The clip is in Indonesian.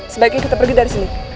sebaiknya kita pergi dari sini